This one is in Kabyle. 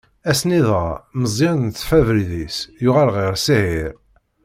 Ass-nni dɣa, Meẓyan yeṭṭef abrid-is, yuɣal ɣer Siɛir.